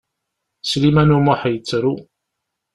Sliman U Muḥ yettru.